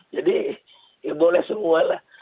jadi boleh semua lah